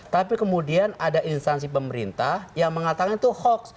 tapi kemudian ada instansi pemerintah yang mengatakan itu hoax